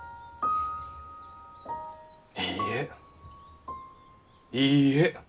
いいえいいえ！